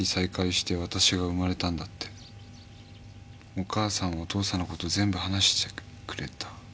「お母さんはお父さんのこと全部話してくれた」